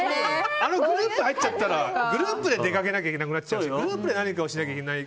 あのグループ入っちゃったらグループで出かけなきゃいけなくなっちゃうし。